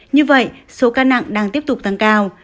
như vậy số ca nặng đang tiếp tục tăng cao